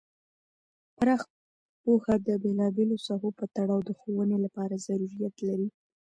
پراخ پوهه د بیلا بیلو ساحو په تړاو د ښوونې لپاره ضروریت لري.